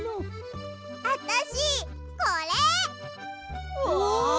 あたしこれ！わ！